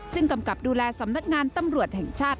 ซึ่งกำกับดูแลสำนักงานตำรวจแห่งชาติ